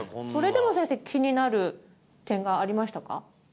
それでも先生気になる点がありましたか？